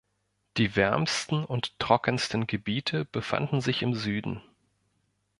Die wärmsten und trockensten Gebiete befanden sich im Süden.